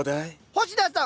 星田さん！